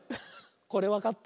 これわかった？